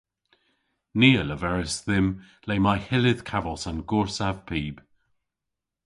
Ni a leveris dhymm le may hyllydh kavos an gorsav pib.